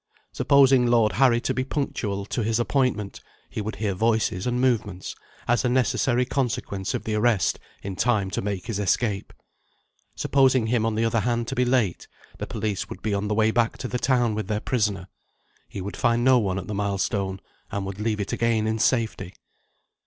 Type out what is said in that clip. Supposing Lord Harry to be punctual to his appointment, he would hear voices and movements, as a necessary consequence of the arrest, in time to make his escape. Supposing him on the other hand to be late, the police would be on the way back to the town with their prisoner: he would find no one at the milestone, and would leave it again in safety.